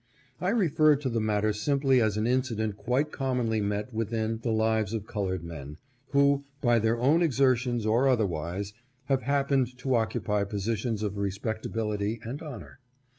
I refer to the matter simply as an incident quite commonly met with in the lives of colored men who, by their own exertions or other wise, have happened to occupy positions of respectability and honor.